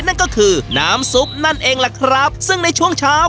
นั่นก็คือน้ำซุปนั่นเองล่ะครับซึ่งในช่วงเช้า